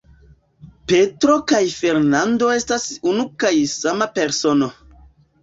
Petro kaj Fernando estas unu kaj sama persono.